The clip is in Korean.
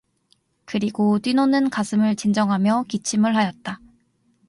그리고 뛰노는 가슴을 진정하며 기침을 하였다.